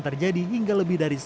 pada januari dua ribu dua puluh satu